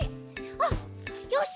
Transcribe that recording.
あっよし！